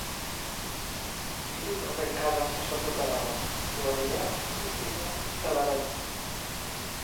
Hiru errenkadaz osatuta dago, gorria, urdina eta laranja.